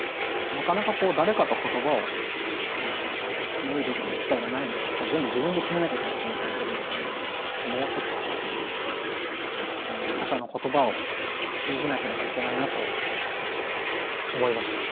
なかなか誰かと言葉を紡いでいく機会がないのでやっぱ全部自分で決めなきゃいけないと思ってやってるのでもうちょっとこう他者の言葉を信じなければいけないなと思いました。